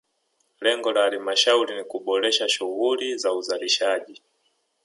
Lengo la halmashauri ni kuboresha shughuli za uzalishaji